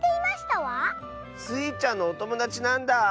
スイちゃんのおともだちなんだ。